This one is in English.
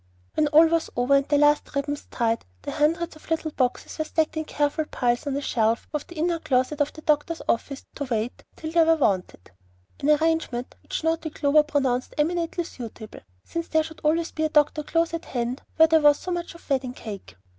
When all was over, and the last ribbons tied, the hundreds of little boxes were stacked in careful piles on a shelf of the inner closet of the doctor's office to wait till they were wanted, an arrangement which naughty Clover pronounced eminently suitable, since there should always be a doctor close at hand where there was so much wedding cake.